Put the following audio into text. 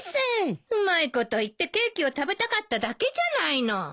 うまいこと言ってケーキを食べたかっただけじゃないの。